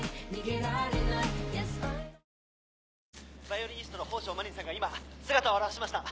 バイオリニストの宝生真凛さんが今姿を現しました。